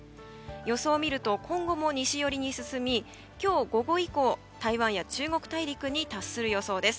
予想を見ると今後も西寄りに進み今日午後以降、台湾や中国大陸に達する予想です。